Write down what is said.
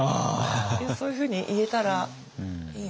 そういうふうに言えたらいいな。